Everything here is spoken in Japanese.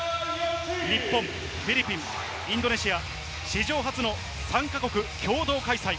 日本、フィリピン、インドネシア、史上初の３か国共同開催